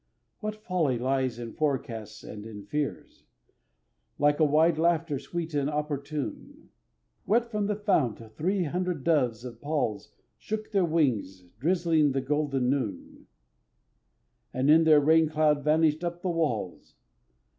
What folly lies in forecasts and in fears! Like a wide laughter sweet and opportune, Wet from the fount, three hundred doves of Paul's Shook their warm wings, drizzling the golden noon, And in their rain cloud vanished up the walls.